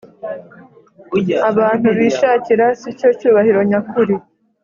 abantu bishakira si cyo cyubahiro nyakuri